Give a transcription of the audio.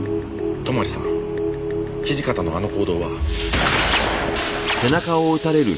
泊さん土方のあの行動は。